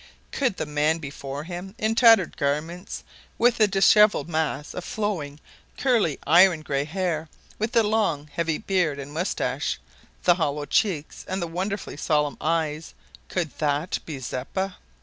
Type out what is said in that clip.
Could the man before him, in tattered garments, with the dishevelled mass of flowing, curly, iron grey hair, with the long, heavy beard and moustache, the hollow cheeks, and the wonderfully solemn eyes could that be Zeppa?